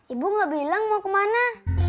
ibu gak bilang mau kemana